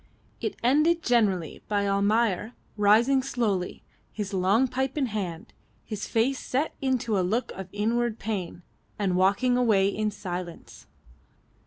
It ended generally by Almayer rising slowly, his long pipe in hand, his face set into a look of inward pain, and walking away in silence.